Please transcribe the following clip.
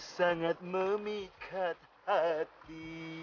sangat memikat hati